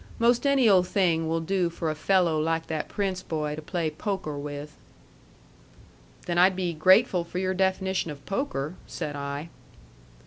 'Most any old thing will do for a fello' like that Prince boy to play poker with." "Then I'd be grateful for your definition of poker," said I.